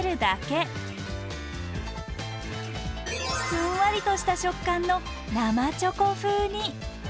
ふんわりとした食感の生チョコ風に。